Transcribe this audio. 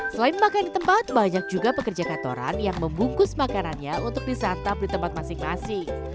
selain makan di tempat banyak juga pekerja kantoran yang membungkus makanannya untuk disantap di tempat masing masing